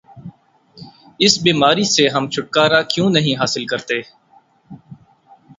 اس بیماری سے ہم چھٹکارا کیوں نہیں حاصل کرتے؟